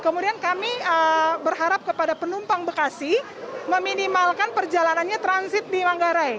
kemudian kami berharap kepada penumpang bekasi meminimalkan perjalanannya transit di manggarai